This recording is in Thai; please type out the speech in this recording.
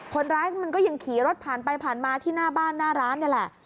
คนร้ายมันก็ยังขี่รถผ่านไปผ่านมาที่หน้าบ้านหน้าร้านนี่แหละ